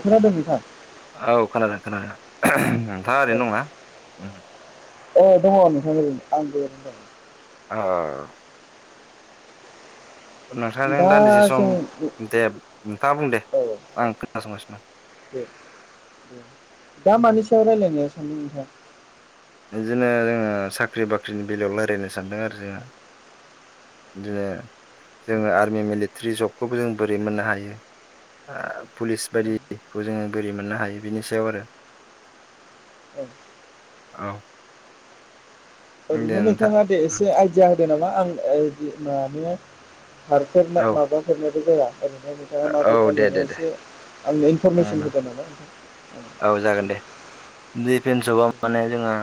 औ खोनादों नोंथां औ खोनादों खोनादों नोंथाङा औ ओरैनो दंना उम? औ दङ नोंथां ओरैनो आंबो ओरैनो दं। औ। नोंथांजों दा दान्दिसे सम जों दे नोंथाङा बुं दे औ आं खोनासंगासिनो। दे दे दा मानि सायाव रायलायनो सान्दों नोंथाङा? बेदिनो जोङो साख्रि बाख्रिनि बेलायाव लारायनो सानदों आरो जोङो। बिदिनो जोङो आर्मि मिलिटारि जबखौबो जों बोरै मोननो हायो? ओ पुलिस बायदिखौ जोङो बोरै मोननो हायो बिनि सायाव आरो। [inaudible] औ। दे ओरैनो नोंथां नोंथाङा दे एसे उम, आइदिया होदो नामा आं ओ माने खारफेरनाय औ माबाफेनायबो जाया। ओरैहाय नोंथाङा औ माबायदि दे मोनो दे दे एसे आंनो इनफरमेसन उम, होदों नामा नोंथां? औ जागोन दिफेन्सबा माने जोंहा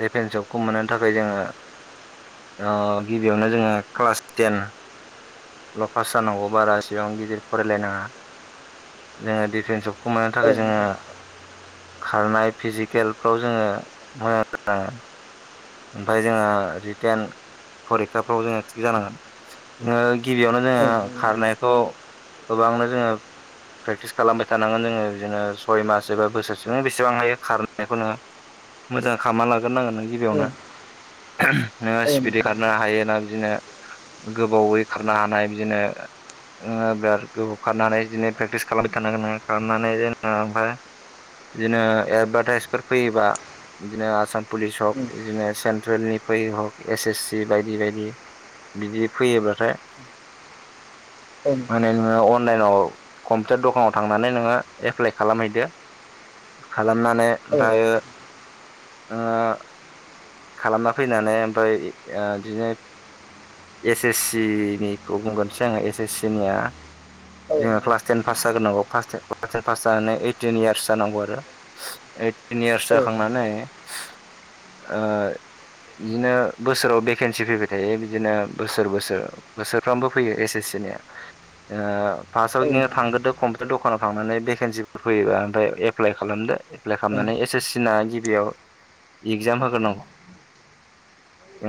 डिफेन्स जबखौ मोननो थाखाय जोङो गिबियावनो जोङो क्लास टेन ल' पास जानांगौ बारा एसेबां गिदिर फरायलायनाङा जोङो दिडिफेन्सआव जब मोननो औ थाखाय जोङो नोंथां खारनाय फिजिकेलफ्राव जोङो मोजां ओमफ्राय जोङो रिटेन फरिखाफ्राव जोङो थिग जानांगोन गिबियावनो औ जोङो नोंथां खारनायखौ गोबांनो जोङो प्रेक्टिस खालामबाय थानांगोन जोङो बिदिनो सय मास एबा बोसोरसे बेसेबां हायो खारनायखौ नोङो मोजां खालामना लाग्रो नांगोन नों औ औ गिबियावनो। नोङो स्पिड नोंथां खारनो हायोना बिदिनो गोबावै खारनो हानाय बिदिनो ओ बिराद गोबाव खारनानै बिदिनो प्रेक्टिस खालामबाय थानांगोन खालामनानै नोङो ओमफ्राय बिदिनो एदभार्टाइसफोर फैयोबा बिदिनो आसाम पुलिस हक बिदिनो सेन्ट्रेलनि फै हक एस एस सि बायदि बायदि बिदि फैयोब्लाथाय [inaudible] [inaudible] औ नोंथां औ नंगौ माने नोङो अन लाइनाव कम्पिउटार दखानाव थांनानै नोङो एप्लाइ खालामहैदो। खालामनानै औ ओमफ्रायो नंगौ ओ खालामना फैनानै ओमफ्राय ओ बिदिनो एस एस सि निखौ बुंगोनसै आङो एस एस सि निया औ नंगौ औ जोङो नंगौ क्लास टेन पास जाग्रोनांगौ। क्लास टेनखौ पास जानानै ओइटिन इयार्स जानांगौ आरो। ओइटिन औ इयार्स जाखांनानै नंगौ ओ बिदिनो बोसोराव भेकेन्सि फैबाय थायो बिदिनो बोसोर बोसोर बोसोरफ्रामबो फैयो एस एस सि निया। ओ फासआव बिदिनो थांग्रोदो कम्पिउटार दखानाव थांनानै भेकेन्सिफोर फैयोबा ओमफ्राय एप्लाइ खालामदो। एप्लाइ खालामनानै नोंथां एस एस सिना गिबियाव इगजाम होग्रोनांगौ। ओ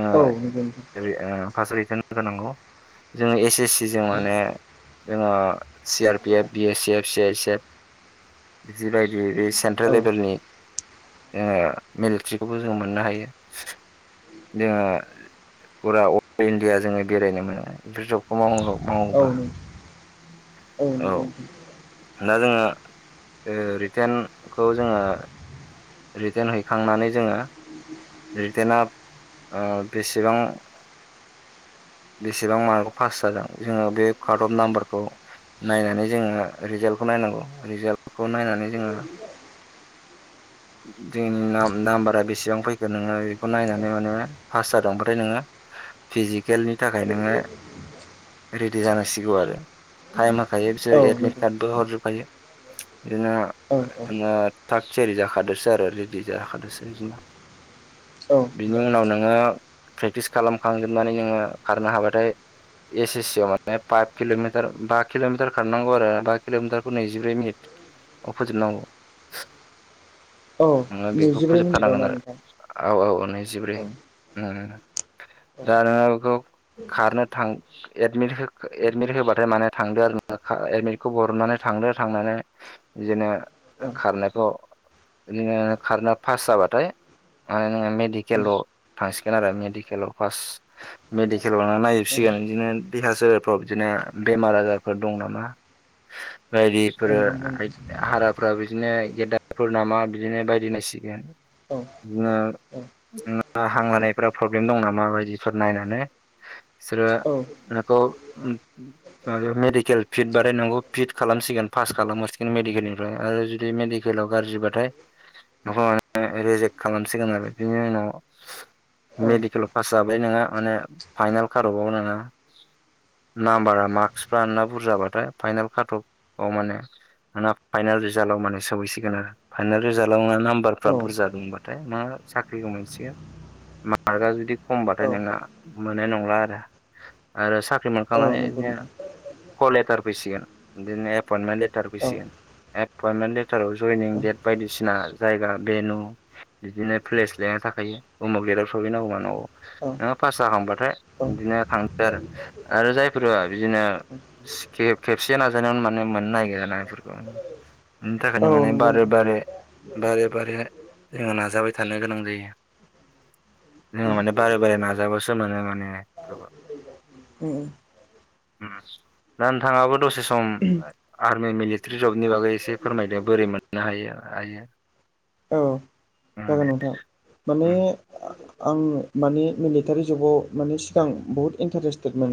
ओरै ओ पार्फयाव इगजाम होग्रोनांगौ। जोङो एस एस सि जों माने जोंङो C R P F, B S F, C ice F बिदि बायदि बायदि बे औ सेन्ट्रेल लेभेलनि ओ मिलिट्रिखौबो जों मोननो हायो। जोङो फुरा अल इण्डिया जोङो बेरायनो मोनो बेफोर जबखौ मावनांगौ। औ नोंगौ। औ नोंगौ नोंथां। दा जोङो ओ रिटेनखौ जोङो रिटेन हैखांनानै जोङो रिटेना ओ बेसेबां [inaudible] बेसेबां मार्कआव पास जादों जोङो बे कार्ड अफ नाम्बारखौ नायनानै जोङो रिजाल्टखौ नायनांगौ रिजाल्खौ नायनानै जोङो जोंनि नाम नाम्बारा बेसेबां फैखो नोङो बेखौ नायनानै माने पास जादों बाथाय नोङो फिजिकेलनि थाखाय नोङो रेडि जानांसिगौ आरो टाइमा थायो औ बिसोर एडमिट नंगौ कार्डबो हरजोबखायो बिदिनो औ नोङो थाग थियारि जाखादोसो आरो रेडि जाखादसो बिदिनो। औ। बिनि उनाव नोङो प्रेक्टिस खालामखांजोबनानै जोङो खारनो हाबाथाय एस एस सि आव माने पाइभ किल'मिटार बा किल'मिटार खारनांगौ आरो बा किल'मिटारखौ नैजिब्रै मिनिट आव फोजोब नांगौ। औ नोङो बेखौ नैजिब्रै मिनिटाव फोजोबथारनांगोन ना आरो। नोंथां औ औ नैजिब्रै औ उम। औ जानोहागौ खारनो थां एदमिट होख एदमिट होबाथाय माने थांदो आरो नोङो खा एमिटखौ बरनानै थां थांदो थांनानै जेने औ खारनायखौ ओरैनो खारना पास जाबाथाय माने नोङो मेडिकेलाव थांसिगोन आरो मेडिकेलाव फार्स्ट मेडिकेलाव लांना नायजोबसि गोन। बिदिनो देहा सोहेरफ्राव बिदिनो बेमार आजारफोर दं नामा? [inaudible] औ बायदिफोर नंगौ नोंथां हाराफोरा बिदिनो गेद्दाफोर नामा बिदिनो बायदि नायसिगोन। औ नुवा उम हां लानाफोरा प्रब्लेम दं नामा बायदिफोर नायनानै सोरो औ नोखौ उम उम माबायाव मेडिकेल फिट बारायनांगौ फिट खालामसिगोन पास खालामहासिगोन मेडिकेलनिफ्राय आ आरो जुदि मेडिकेलाव गाज्रिबाथाय नोंखौ [unintelligible] रेजेक खालामसिगोन आरो बिनि उनाव औ मेडिकेलाव पास नाम्बारा मार्कसफ्रा नोंना बुरजाबाथाय फाइनाल खाटकआव माने दाना फाइनेल रिजालाव थाय मा साख्रिखौ मोनसिगोन मार्कआ जुदि खमबाथाय औ नोंना मोननाय नंला आरो आरो साख ख्रि औ नंगौ नोंथां मोनखांनानै फैसिगोन बे नेप एफरमेन्त लेथार औ एफरमेन्त लेथार। जयनिं देट बायदिसिना जायगा बेनु बिदिनो प्लेस लिरना थाखायो उमुक लेदाव सहैनांगौ मा नांगौ औ नंगौ ओ फास जाखांबाथाय बिदिनो खांसै आरो जायफोर बिदिनो सि खेब-खेबसे नाजानायाव माने मोननो नागिरना इफोरखौ बिनि थाखायनो माने बारे नोंथां बारे बारे बारे जोङो नाजाबाय थानो गोनां जायो। नोङो माने बारे बारे नाजाबसो मानो माने [unintelligible] उम। उम ओस। दा नोंथाङाबो दसे सम आय आर्मि मिलिटारि जबनि बागै एसे फोरमायदों बोरैमोन नो हायो हायो औ उम जागोन दे नोंथां माने उम आ आ आं माने मिलिटारि जबाव माने सिगां बहुत इन्टारेस्टेदमोन।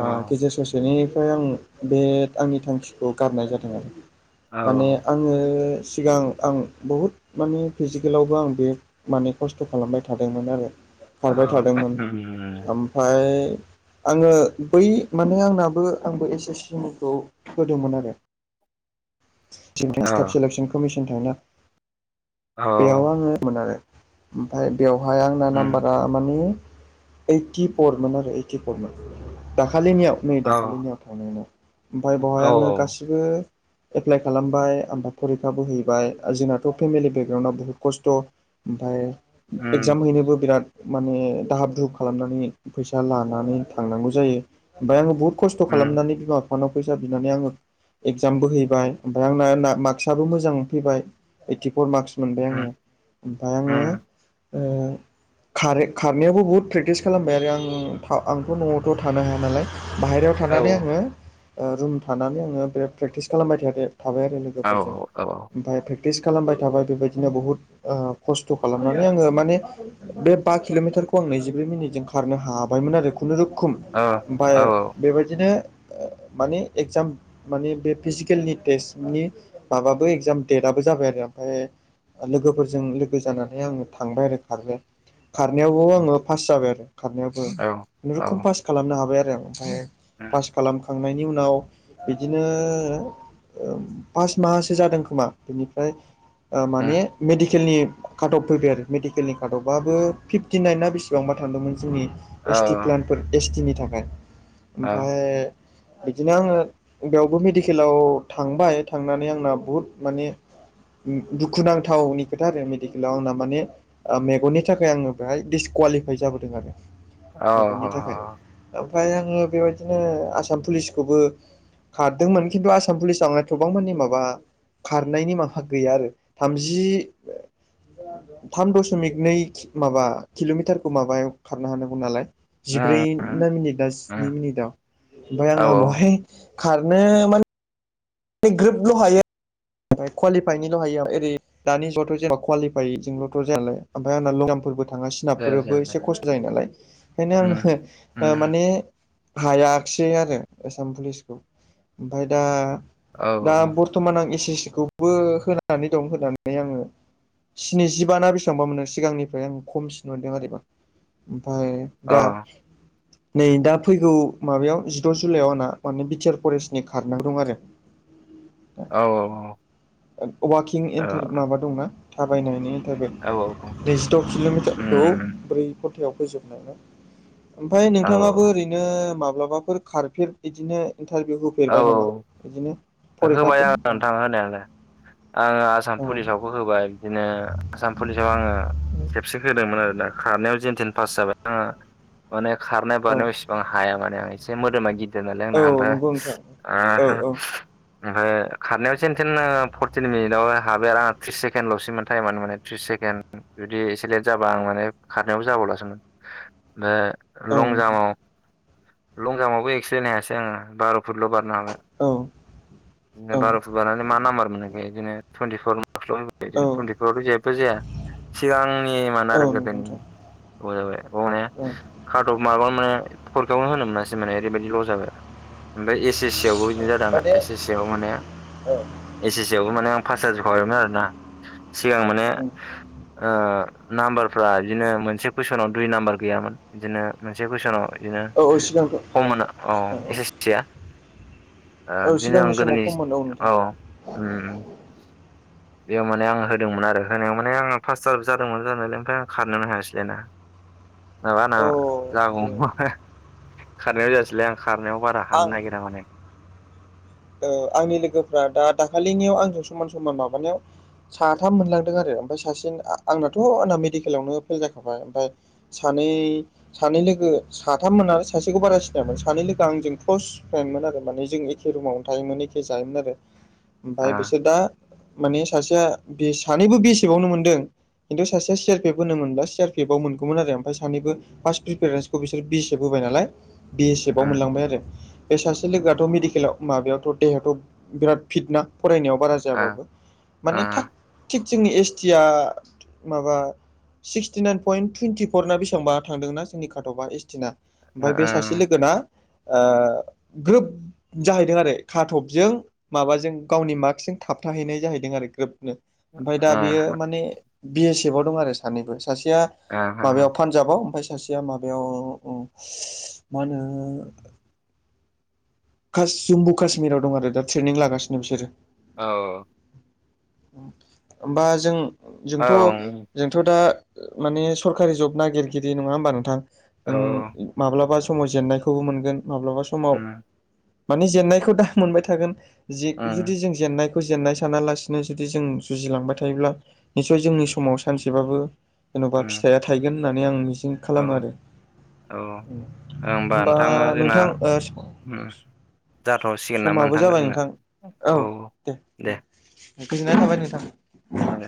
आ गेजेर ससेनिफाय आं बे आंनि थांखिखौ गारनाय जादों आरो माने औ आङो सिगां आं बहुद मानि फिजेकेलावबो आंबे मानि खस्थ खालामबाय थादोंमोन आं औ खारबाय थादोंमोन ओमफाय आंङो बै माने आंनाबो आंबो एस एस सिमखौ होदोंमोन आरो [inaudible] औ [unintelligible] स्टाप सिलेकसन कमिसन थाया औ बेयाव आङोमोन आरो ओमफाय बेवहाय आंना उम नाम्बारा माने ओइटि परमोन आरो ओइटि परमोन दा दाखालिनियाव नै औ दाखालिनियाव थांनायनियाव आमफाय बावहाय आङो औ गासिबो। एप्लाइ खालामबाय ओमफाय फरिखा बोहैबाय आ जोंना थ फेमिलि बेकग्राउन्डआव बुहुद खस्थ ओमफाय उम एगजाम हैनोबो बिराद माने दाहाब दुहुब खालामनानै फैसा लानानै थांनांगौ जायो बा बुद खस्थ उम खालामनानै बिबा एकाउनआव फैसा बिनानै आङो एगजाम बोहैबाय ओमफफ्राय आंना मार्कसाबो मोजां फैबाय ओइटिफर मार्कस मोनबाय आङो उम ओमफाय आङो उम ओ। खार खारनायावबो बहुद प्रेक्टिस खालामबाय आरो आं आंथ' न'आवथ' थानो हाया नालाय। बाहेरायाव औ थानानै आङो रुम थानानै आङो बिराद प्रेक्टिस खालामबाय थायाखै थाबाय आरो औ लोगोफोरजों औ ओमफाय प्रिस खालामबाय थाबाय बेबायदिनो बुहुत खस्थ' खालामनानै आङो माने बे बा किल'मिटार बेखौ आं नैजिब्रै मिनिटजों खारनो हाबायमोन आरो खुनुरुखुम औ ओमफ्राय औ बेबायदिनो माने एक्जाम माने बे फिजिकेलनि टेस्टनि माबाबो एक्जाम देट दाबो जाबाय आरो ओमफ्राय लोगोफोरजों लोगो जानानै आङो थांबाय आरो खारनो खारनायावबो उम आङो पास जाबाय आरो खारनायावबो खुनुरुखुम पास खालामनो हाबाय आरो आं ओमफाय पास खालाम खांनायनि उनाव बिदिनो पास माहासो जादों खोमा बेनिफ्राय आ उम माने मेदि केल नि खाटब फैबाय आरो मेडिकेलनि खाटबाबो फिफ्टिनाइन ना बेसेबांबा थांदोंमोन जोंनि औ एस टि प्लानफोर एस टि नि थाखाय औ ओमफाय बिदिनो आङो बेयावबो मेडिकेलाव थांबाय थांनानै आंना बुहुद माने दुखुनांथावनि खोथा आरो मेडिकेलाव आंना माने मेगननि थाखाय आङो बेहाय दिडिसकुवालि फाय जाबो दों आरो ह मेगननि थाखाय ओमफ्राय आङो बेबायदिनो आसाम पुलिसखौबो खारदोंमोन खिन्थु आसाम पुलिसाव एथबां मानि माबा खार नायनि माबा गैया आरो थामजि थाम दसमिक नै माबा किलमिटारखौ माबायाव खारनो हानांगौ नालाय जिब्रै उम ना मिनिटा जिनै उम मिनिटआव ओमफ्राय औ आंहा औ बावहाय खारनो माने बे ग्रोपल हायो ओमफ्राय कवालिफाइनिल हायो ओरै दानि जुगावथ जेनबा कुआलिफाइ जोंलथ जाया नालाय ओमफ्राय आंना लं जामफोरबो थाङा जाया जाया सिनाबफोरबो जाया एसे खस्थ जायो नालाय ओंखायनो उम आङो उम माने हायाखिसै आरो आसाम पुलिसखौ ओमफ्राय दा औ दा औ बरथमान आं एस एस सि खौबो होनानै दं होनानै आङो स्निजिबा ना बेसेबांबा मोनो सिगांनिफ्राय आं खमसिन मोनदों आरो एबार आमफाय अ दा नै दा फैगौ माबायाव जिद जुलाइआव आंना माने बिटिआर फरेस्टनि खारनो दं आरो औ औ वाकिं औ इनटार माबा दंना थाबायनायनि बाय औ औ नैजिद किलमिटारखौ उम ब्रै गनथायाव फैजोबनाय ओमफफ्राय औ नोंथाङाबो ओरैनो माब्लाबाफोर खारफेर बिदिनो इन्टारभिउ औ होफेरबाय नामा बिदिनो होबाय फरिखाफोर आं औ नोंथां होनायालाय आङो आसाम पुलिसावबो होबाय बिदिनो आसाम पुलिसाव आङो खेबसे होदोंमोन आरोना खारनायाव जेन थेन पास जाबाय आङो माने खारनाय औ बारनायाव एसेबां हाया माने आं एसे मोदोमा गि जानालाया आंना औ औ नंगौ औ नोंथां औ [unintelligible] खारनायाव जेन थेन ओ फरटिन मिनिटआव हाबाय आरो आं त्रिस सेकेडलसमोन टाइमान माने थ्रिस सेकेणड जुदि एसे लेट जाबा आं माने खारनायावबो जाबावलासोमोन ओफ्राय औ लं नोंथां जामाव लं जाम्पआवबो एक्सलेड हायासै आङो बार फुटल बारनो हाबाय औ बिदिनो औ बार फुट बारनानै मा नाम्बार मोनो बिदिनो औ थुइेन्टिफर [unintelligible] जेबो जाया सिगांनि मोन आरो औ नंगौ गोदोनि नोंथां गोबाव जाबाय माने औ खाटब माबा मोनो बेखौनो होनो मोनासै माने ओरैबायदि ल जाबाय ओमफ्राय एस एस सि आवबो बिदिनो जादों आना माने एस एस सि आव माने औ औ एस एस सि आवबो माने आं फास जाजोब खाबायमोन आरोना सिगां माने ओ नाम्बारफ्रा बिदिनो मोनसे कुइसनाव दुइ नाम्बार गैयामोन बिदिनो मोनसे कुइसनाव औ सिगांखौ हम औ सिगां औ एस एस सिया ओ औ बिदिनो आं सिगांनि समाव गोदोनि खममोन औ नोंथां उम उम बेयाव माने आं होदोंमोन आरो होनायाव माने आंङो फासट जादोंमोन जानायालाय ओमफ्राय आं खारनोनो हायासै लायना [unintelligible] नङाबा आंना औ दे जागौमोन खोना खारनायाव जायासैलै आं खारनायाव बारा आं हानो नागिरा माने आंनि लोगोफ्रा दा दाखालिनियाव आंजों समान समान माबानायाव साथाम मोनलांदों आरो ओमफफ्राय सासे आंनाथ आंना मेडिकेलावनो फेल जाखाबाय ओमफफ्राय स सानै सानै लोगो साथाममोन आरो सासेखौ बारा सिनायामोन सानै लोगो आंजों क्लस फ्रेमोन आरो माने जों एखे रुमावनो थायोमोन एखे जायोमोन आरो ओ ओमफ्राय बिसोर दा माने सासेया बिएसेफ आवनो मोनदों खिन्थु सासे सि आ पि एफ होन मोनबा सि आ पि एफ आ मोनगौमोन आरो मफ्राय सानैबो फार्ट्रिफारेन्सखौ बिसोर बि एस एफ होबाय होबाय नालाय ओ मोनलांबाय आरो बे सासे लोगोआथ' मेडिकेलाव माबायाव थ' देहायाथ बिराद फिट ना फरायनायाव बारा ओ जायाबाबो माने थाग थिग जोंनि एस टि आ माबा सिक्सटि नाइन पइन्ट टुइन्टिफरना बेसेबा थांदोंना जोंनि खाटबा एसटिना ओमफफ्राय बे सासे लोगोना ओ ग्रोब जाहैदों आरो खाटबजों माबाजों गावनि मार्कजों थाबथाहैनाय जाहैदों आरो ग्रोबनो ओमफ्राय ओ दा बेयो माने बि एस एफ आव दं आरो सानैबो सासेया माबायाव पान्जाबाव ओमफ्राय सासेया माबायाव मा होनो कास जम्मु काशमीराव दं आरो दा ट्रेनिं लागासिनो बिसोरो औ बा जों ओ जोंथ जोंथ दा माने सरकारि जब नागिरगिरि नंङा होमबा नोंथां ओ औ माब्लाबा समाव जेननायखौबो मोनगोन माब्लाबा समाव उम मानि जेननायखौ दा मोनबाय थागोन जुदि उम जों जेननायखौ फोजेननाय सानालासिनो जुदि जों जुजिलांबाय थायोब्ला निसय जोंनि समाव सानसेबाबो जेन'बा उम फिथाइया थायगोन होननानै आं मि खालामो [inaudible] औ आरो औ होमबा नोंथाङा जोंना नोंथां जाथ'सिगोन नामा समाबो जाबाय लोगोना नोंथां औ दे होनबा गोजोननाय थाबाय नोंथां उम